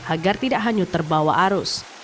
agar tidak hanyut terbawa arus